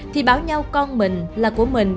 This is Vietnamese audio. thì báo nhau con mình là của mình